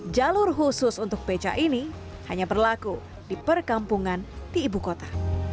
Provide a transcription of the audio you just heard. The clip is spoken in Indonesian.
jalur khusus untuk beca ini hanya berlaku di perkampungan di ibu kota